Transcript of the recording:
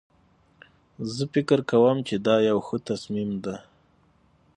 زه فکر کوم چې دا یو ښه تصمیم ده